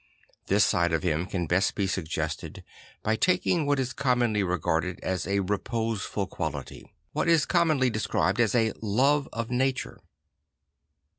This side of hhn can best be suggested by taking what is commonly regarded as a reposeful quality; what is commonly described as a love of nature.